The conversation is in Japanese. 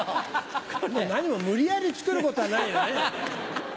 何も無理やり作ることないよね。